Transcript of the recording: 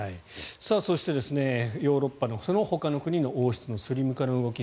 そして、ヨーロッパのそのほかの国の王室のスリム化の動き。